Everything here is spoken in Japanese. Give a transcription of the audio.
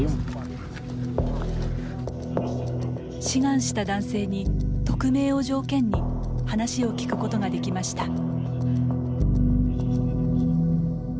志願した男性に匿名を条件に話を聞くことができました。